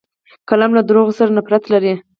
قلم له دروغو سره نفرت لري